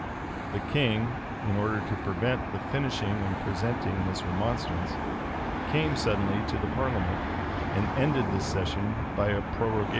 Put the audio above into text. [*] The king, in order to prevent the finishing and presenting this remonstrance, came suddenly to the parliament, and ended this session by a prorogation.